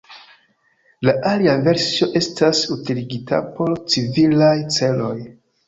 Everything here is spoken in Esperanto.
La alia versio estas utiligita por civilaj celoj.